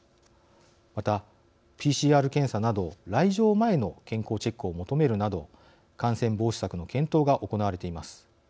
また、ＰＣＲ検査など来場前の健康チェックを求めるなど感染防止策の検討が行われています。